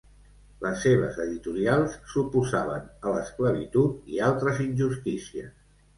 Les seves editorials s'oposaven a l'esclavitud i altres injustícies.